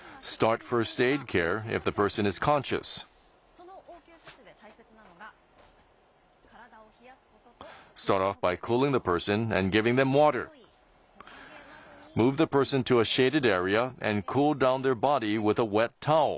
その応急処置で大切なのが体を冷やすことと水分補給です。